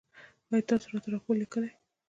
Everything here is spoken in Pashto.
ایا تاسو راته راپور لیکئ؟